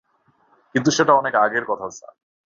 কিন্তু সেটা অনেক আগের কথা, স্যার।